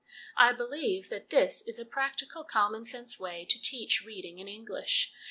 1 I believe that this is a practical common sense way to teach reading in English.